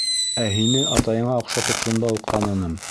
Ә һине атайыңа оҡшатып шунда уҡ таныным!